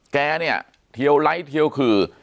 แกเนี่ยทิ้วไลท์ทิ้วขื่อ